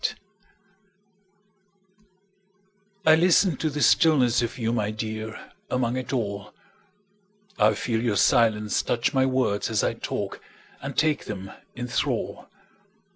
Listening I LISTEN to the stillness of you, My dear, among it all;I feel your silence touch my words as I talk, And take them in thrall.